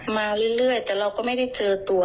มาเรื่อยแต่เราก็ไม่ได้เจอตัว